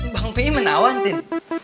bang pih menawan tien